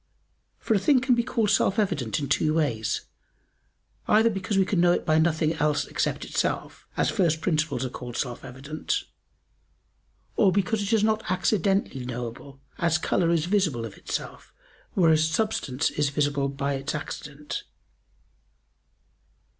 For a thing can be called self evident in two ways, either because we can know it by nothing else except itself, as first principles are called self evident; or because it is not accidentally knowable, as color is visible of itself, whereas substance is visible by its accident.